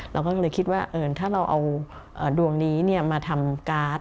เราก็เลยคิดว่าถ้าเราเอาดวงนี้มาทำการ์ด